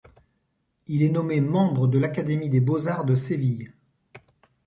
Il est nommé membre de l'académie des Beaux Arts de Séville.